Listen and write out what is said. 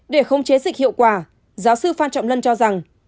để không chế dịch hiệu quả giáo sư phan trọng lân cho rằng